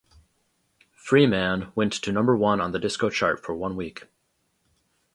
"Free Man" went to number one on the disco chart for one week.